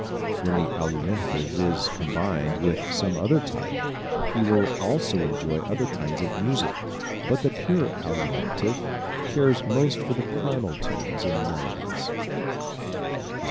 When the Alimentive is combined with some other type he will also enjoy other kinds of music but the pure Alimentive cares most for primal tunes and melodies.